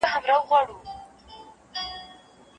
نو زعفران سیاسي ارزښت هم لري.